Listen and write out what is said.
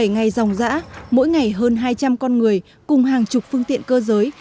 một mươi bảy ngày dòng dã mỗi ngày hơn hai trăm linh con người cùng hàng chục phương tiện cơ giới